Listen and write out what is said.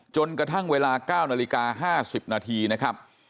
จนกระทั่งเวลา๙นาฬิกา๕๐นาทีนะครับ